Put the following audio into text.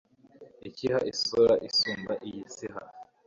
ukiha isura isumba iy'isiha